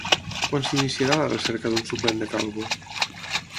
Quan s'iniciarà la recerca d'un suplent de Calvo?